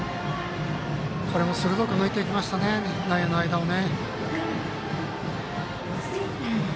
これも鋭く抜いてきました内野の間をね。